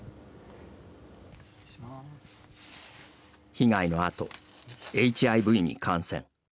被害のあと、ＨＩＶに感染。